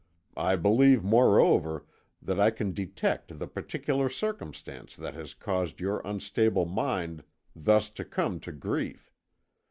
I believe, moreover, that I can detect the particular circumstance that has caused your unstable mind thus to come to grief.